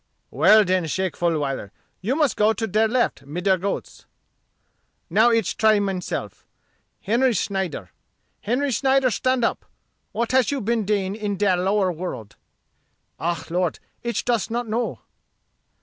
"Well, den, Shake Fuhviler, you must go to der left mid der goats." "Now ich try menself. Henry Snyder, Henry Snyder, stand up. What hash you bin dain in die lower world?" "Ah, Lort, ich does not know."